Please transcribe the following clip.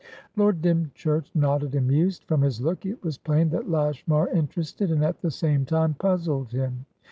Lord Dymchurch nodded and mused. From his look it was plain that Lashmar interested, and at the same time, puzzled him.